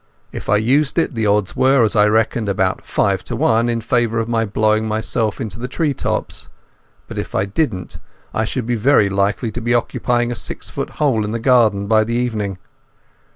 If I used it the odds were, as I reckoned, about five to one in favour of my blowing myself into the tree tops; but if I didn't I should very likely be occupying a six foot hole in the garden by the evening.